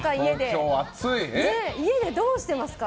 どうしてますか？